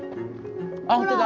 あっ本当だ！